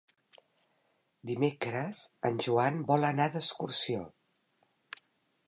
Dimecres en Joan vol anar d'excursió.